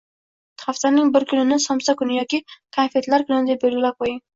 Haftaning bir kunini “somsa kuni” yoki “konfetlar kuni” deb belgilab qo‘ying.